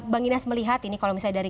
bang inas melihat ini kalau misalnya dari